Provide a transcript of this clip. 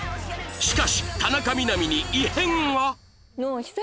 しかし田中みな実に異変が